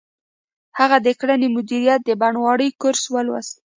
هغه د کرنې مدیریت د بڼوالۍ کورس ولوست